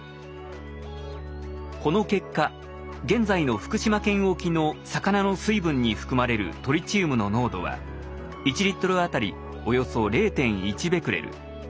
この結果現在の福島県沖の魚の水分に含まれるトリチウムの濃度は１あたりおよそ０．１ベクレル。